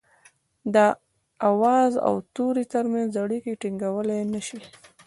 د آواز او توري ترمنځ اړيکي ټيڼګولای نه شي